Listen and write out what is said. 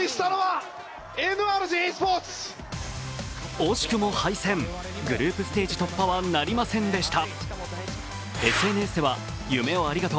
惜しくも敗戦、グループステージ突破はなりませんでした。